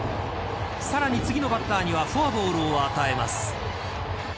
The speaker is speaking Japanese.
さらに次のバッターにはフォアボールを与えます。